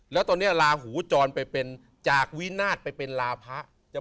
แล้วตอนนี้ลาหูจรไปเป็นจากวินาศไปเป็นลาพะ